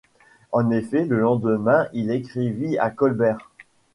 En effet le lendemain il écrivit à Colbert.